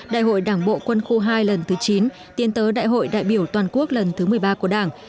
đại hội đảng bộ quân khu hai lần thứ chín tiến tới đại hội đại biểu toàn quốc lần thứ một mươi ba của đảng